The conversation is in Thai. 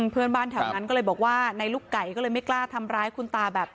เพื่อนบ้านแถวนั้นก็เลยบอกว่าในลูกไก่ก็เลยไม่กล้าทำร้ายคุณตาแบบ